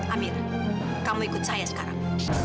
amir kamu ikut saya sekarang